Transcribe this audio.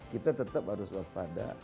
kita tetap harus waspada